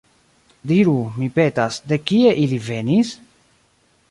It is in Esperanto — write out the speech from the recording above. Diru, mi petas, de kie ili venis?